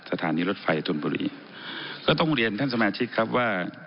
สถานีรถไฟธนบุรีก็ต้องเรียนท่านสมาชิกครับว่า